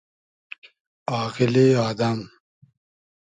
آغیلی آدئم